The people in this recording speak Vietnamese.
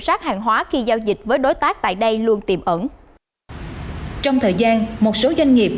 sát hàng hóa khi giao dịch với đối tác tại đây luôn tiềm ẩn trong thời gian một số doanh nghiệp